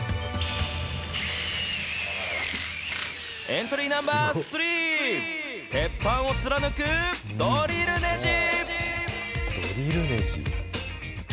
エントリーナンバー３、鉄板を貫くドリルねじ。